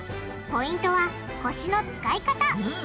ポイントは腰の使い方！